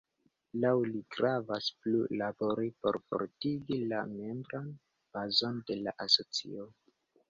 Laŭ li gravas plu labori por fortigi la membran bazon de la asocio.